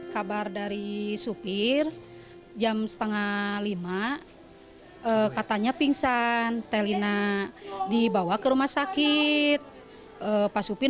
kemudian pak ecat nelfon lagi pak supir